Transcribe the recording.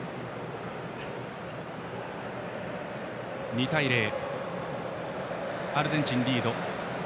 ２対０とアルゼンチンリード。